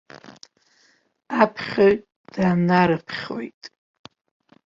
Аԥхьаҩ данарԥхьоит.